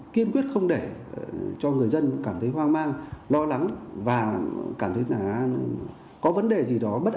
kiên quyết không để cho người dân cảm thấy hoang mang lo lắng và cảm thấy là có vấn đề gì đó bất kỳ